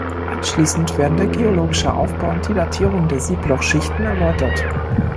Anschließend werden der geologische Aufbau und die Datierung der Siebloch-Schichten erläutert.